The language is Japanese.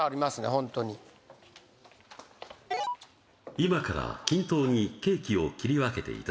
本当に今から均等にケーキを切り分けていただきます